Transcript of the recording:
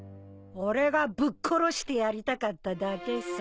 俺がぶっ殺してやりたかっただけさ。